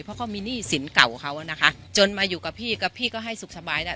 เพราะเขามีหนี้สินเก่าเขานะคะจนมาอยู่กับพี่กับพี่ก็ให้สุขสบายแล้ว